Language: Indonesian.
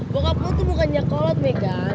bokap lo tuh bukannya kolot megan